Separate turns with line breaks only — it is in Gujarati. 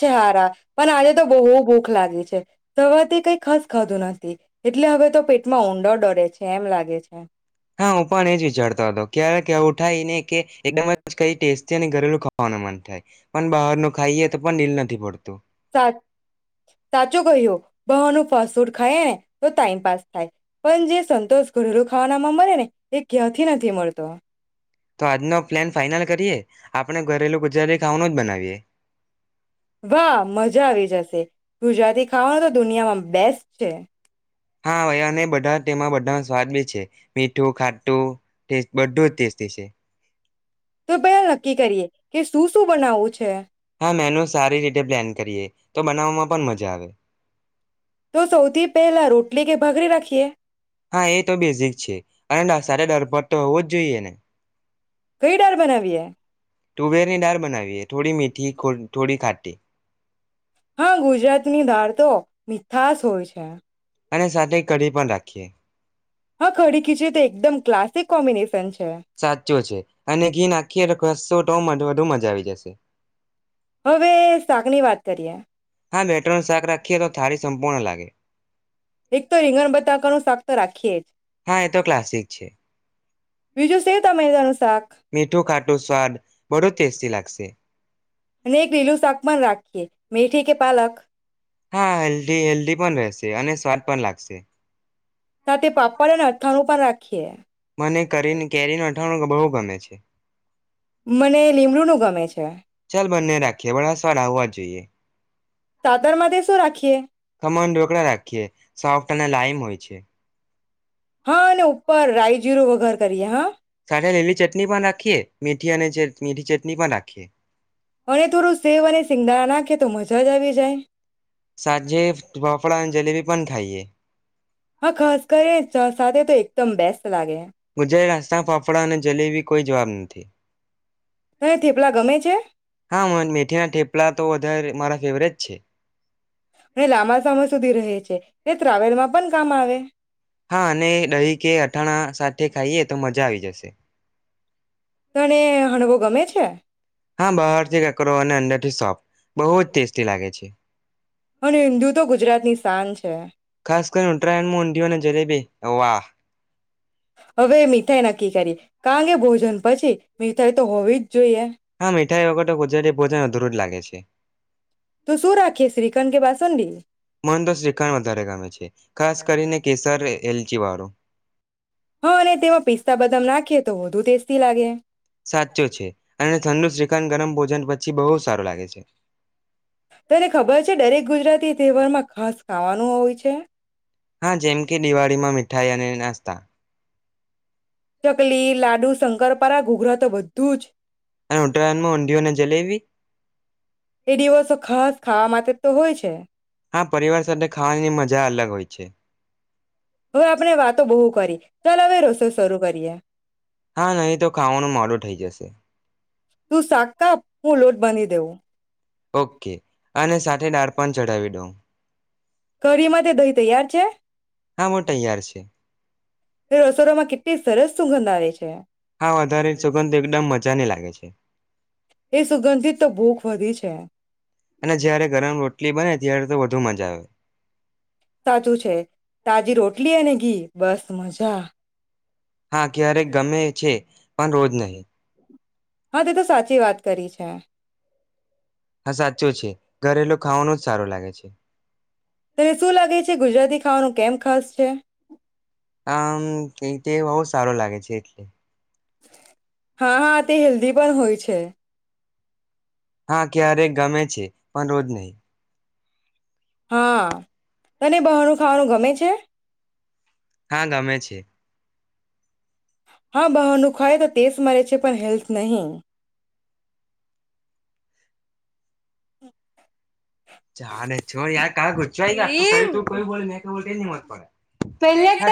છે હારા પણ આજે તો બહુ ભૂખ લાગી છે સવાથી કઈ ખસ ખાધું નથી એટલે હવે તો પેટમાં ઊંડ ડરે છે એમ લાગે છે.
ક ઉઠાય ને. કે એકદમ જ કઈ ટેસ્ટી અને ઘરેલુ ખાવાનું મન થાય. મ બહારનું. ખાઈએ તો પણ નીલ નથી પડતું.
સા સાચું કહ્યું બહાનું ફાસ્ટ ફૂડ ખાય ને તો ટાઈમપાસ થાય પણ જે સંતોષ ઘરેલુ ખાવાનામાં મળે ને એ ક્યાંથી નથી મળતો.
તો આજનો પ્લાન ફાાઈનલ કરીએ આપણે ઘરેલું ગુજરાતી ખાવાનો જ બનાવીએ.
વાહ મજા આવી જશે. ગુજરાતી ખાવાનું તો દુનિયામાં બેસ્ટ છે.
હા હવે અને બધા તેમાં બધાનો સ્વાદ બી છે. મીઠું ખા્ટુ ટેસ્ટ બધું જ ટેસ્ટી છે.
તો ભાઈ નક્કી કરીએ કે શું શું બનાવવું છે.
હા મેનુ સારી રીતે પ્લેન કરીએ તો બનાવવામાં પણ મજા આવે.
તો સૌથી પહેલા રોટ ટી કે ભઘરી રાખીએ.
હા એ તો બેઝિક છે અને સ ડર પરર તો હોવું જ જોઈએ ને.
કઈ ડળ બનાવીએ?
તુવેરની દાળ બનાવીએ થોડી મીઠી થોડી ખાટી.
હા ગુજરાત ની દાળ તો મીઠાસ હોય છે.
અને સાથે કઢી પણ રાખીએ.
હા કઢી ખીચડી તો એકદમ ક્લાસ સિક કોમ્બિનેશન છે.
સાચો છે અને ઘીન આખી તો વધુ મજા આવી જશે.
તર્યા
હા મેટ્રનું શાક રાખીએ તો થાળી સંપૂર્ણ લાગે.
એક તો રીંગણ બતાકાનું શાક તો રાખીએ જ.
હા એ તો ક્લાસિક છે
બીજું સું તમે
મીઠું ખાટું સ્વાદ બડો ટેસ્ટી લાગશે.
અને એક લીલું શાક પણ રાખીએ મેથી કે પાલક
હા હેલ્ધી હેલ્ધી પણ રહેશે. અને સ્વાદ પણ લાગશે.
સાથે પાપડ ને અથાણું પણ રાખ ખે.
મને કરીને કેરી નો અથાણું તો બહુ ગમે છે.
મને લીમડુ નું ગમે છે.
ચાલ બંને રાખીએ વાળા સ્વાદ આવા જ જોઈએ.
તાતર માં શું રાખીએ.
ખમણ ઢોકળા રાખીએ. સોફ્ટ અને લાઈમ હોય છે.
હા અને ઉપર રાાયજીરુ વગર કરીએ હા.
સાથે લીલી ચટણી પણ રાખીએ મીઠી અને જર મીઠી ચટ નિ પણ નાખીએ.
અને તોરું સેવ અને સિંગદારણા નાખે તો મજા જ આવી જાય.
સાંજે ફફડા અને જલેબી પણ ખાઈએ.
હા ખાસ કરી ચા સાથે તો એકદમ બેસ્ટ. લાગે
મુજા આસ્ના ફાફડા અને જલેબી કોઈ જવાબ ની થી.
તને થેપલા ગમે છે
હા મન મેઠી ના ઠેપલા તો વધારે મારા ફેવરેટ છે.
ને લાંબા સમય સુધી રહે છે. તે ટ્રાવેલ માં પણ કામ આવે.
હા અને દહી કે અથાણા સા થે ખાઈએ, તો મજા આવી જશે.
તને હાણવો ગમે છે?
હા, બહાર થી કકરો અને અંદર [unintelligible] બહુજ ટેસ્ટી લાગે છે.
અને હિન્દુ તો ગુજરાત ની તાણ છે.
ખાસ કરીને ઉત્તરાયણમાં ઊંધિયુ અને જલેબી. વાહ.
હવે, મીઠાઈ નક્કી કરીએ. કાંગે ભોજન પછી, મીઠાઈ તો હોવી જ જોઈએ
હા, મીઠાઈ વગર ગુજરાતી ભોજન અધુરૂજ લાગે. ગે છે.
તો શું રાખીએ શ્રીખંડ કે બાસુંદી
મને તો શ્રીખંણ વધારે ગમે છે, ખાસ કરીને કેસર એલચી વાળો.
હા અને તેમાં પિસ્તા બદામ નાખે એ તો વધુ ટેસ્ટી લાગે.
સાચો છે અને ઠંડુ શ્રીખંડ ગરમ પહ ભોજન પછી બહુ સારું લાગે છે.
તને ખબર છે દરેક ગુજરાતી તહેવાર માં ખાસ ખાવાનું હોય છે.
હા જેમ કે દિવાળીમાં મીઠ. મિઠાઈ અને નાચતા.
ચકલી લાડુ શંકરપરા ઘૂઘરા તો બધું જ.
અને ઉત્તરાયણમાં ઊંધિયું અને જલેબી
એ દિવસો ખાસ ખાવા માટે. તે તો હોય છે.
હા પરિવાર સાથે ખાવાની મજા અલગ હોય છે.
હવે આપણે વાતો બહુ કરી ચાલ હવે રસોઈ શરૂ કરીએ.
હા નહીં તો ખાવાનું મોડું થઈ જશે
તું સાકાપ હું લોટ બની દેવું.
ઓકે અને સાથે દાળ પણ ચઢાવી દો.
કરીીમાં તે દહી તૈયાર છે.
હા હું તૈયાર છે
રસોડમાં કેટલી સરસ સુંગંધ આવે છે.
હા વધારે સુગંધ એકદમ મજાની લાગે છે.
એ સુગંધથી તો ભૂખ વધી છે.
અને જ્યારે ગરમ રોટલી બને ત્યારે તો વધુ મજા આવે.
સાચું છે તાજી રોટી. એટલીને ઘી બસ મજા.
હા ક્યારેક ગમે છે પણ રોજ નહીિ.
હા તે તો સાચી વાત કરી છે.
હા સાચું છે ઘરેલુ ખાવાનું જ સારું લાગે છે. [inaudible]
તને શું લાગે છે ગુજરાતી. ખાવાનું કેમ ખાસ છે.
આ તે બહુ સારો લાગે છે. [inaudible]
હા હા તે હેલ્ધી પણ હોય છે.
હા ક્યારેક ગમે છે. પણ રોજ નહીં.
હા તને બહાણનું ખાવાનું ગમે છે.
હા ગમે છે.
હા બહાનું ખાય તો તેસ મરે છે પણ હેલ્થ નહીં.
ચાલે છોયાર કાઈ બો મત પડે. પેલે.